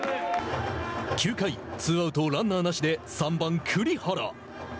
９回、ツーアウトランナーなしで３番栗原。